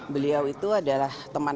beliau itu adalah teman